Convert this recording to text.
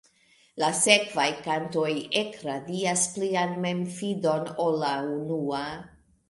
La sekvaj kantoj elradias plian memfidon, ol la unua.